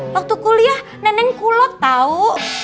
waktu kuliah neneng kulot tau